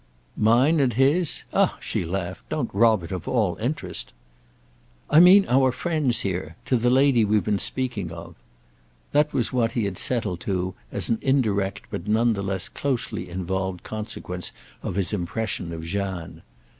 "Mine and his? Ah," she laughed, "don't rob it of all interest!" "I mean our friend's here—to the lady we've been speaking of." That was what he had settled to as an indirect but none the less closely involved consequence of his impression of Jeanne.